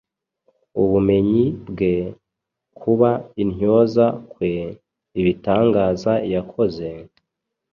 Ubumenyi bwe, kuba intyoza kwe, ibitangaza yakoze,